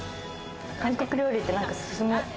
韓国料理ってなんか進む。